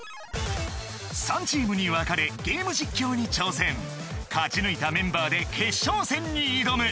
３チームに分かれゲーム実況に挑戦勝ち抜いたメンバーで決勝戦に挑む！